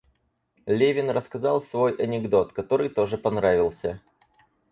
Левин рассказал свой анекдот, который тоже понравился.